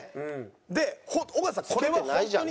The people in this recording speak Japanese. で尾形さんこれは。つけてないじゃん。